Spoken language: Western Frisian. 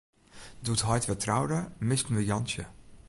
Doe't heit wer troude, misten we Jantsje.